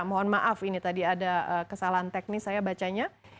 mohon maaf ini tadi ada kesalahan teknis saya bacanya